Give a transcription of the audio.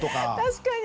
確かに！